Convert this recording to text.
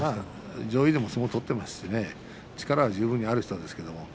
上位でも相撲は取っていますし力は十分にある人です。